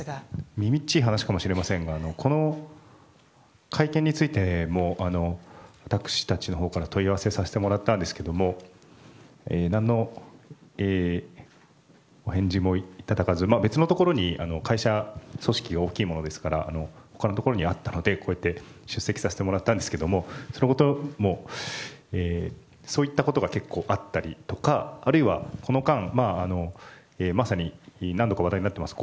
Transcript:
みみっちい話かもしれませんがこの会見についても、私たちから問い合わせさせてもらったんですが何のお返事もいただけず別のところに会社組織が大きいものですから他のところにあったので出席させてもらったんですけどそういったことが結構あったりとか、この間もまさに何度か話題になっています